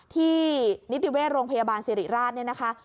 ที่นิติเวชโรงพยาบาลสิริราชเนี่ยนะคะ